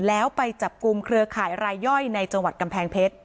แล้วไปจับกลุ่มเครือข่ายรายย่อยในจังหวัดกำแพงเพชร